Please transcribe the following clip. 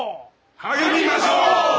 励みましょう！